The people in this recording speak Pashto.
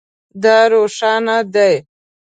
دا روښانه دی